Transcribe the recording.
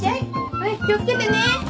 はい気を付けてね。